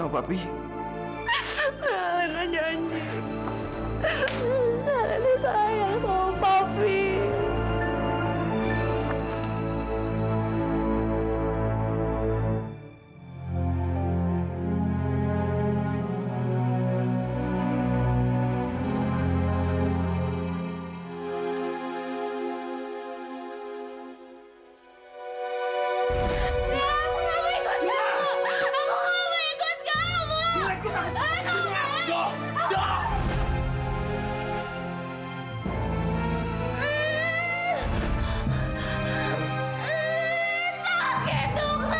mila mohon kak fadil